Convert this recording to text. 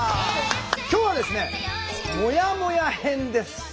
今日はですね「もやもや編」です。